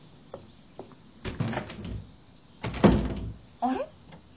あれ？